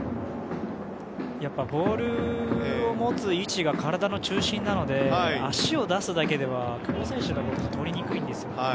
やっぱりボールを持つ位置が体の中心なので足を出すだけでは久保選手のボールはとりにくいんですよね。